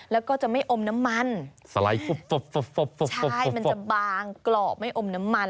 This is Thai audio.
แล้วก็จะไม่อมน้ำมันสไลด์ฟุบใช่มันจะบางกรอบไม่อมน้ำมัน